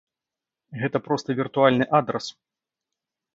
Гэта проста віртуальны адрас!